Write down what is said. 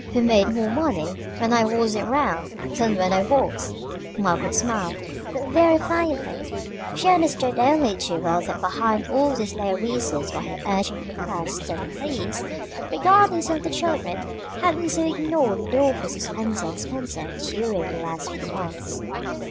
We made more money when I wasn't 'round than when I was!" Margaret smiled, but very faintly. She understood only too well that behind all this lay the reasons why her urgent requests and pleas regarding some of the children, had been so ignored in the office of Spencer & Spencer during the last few months.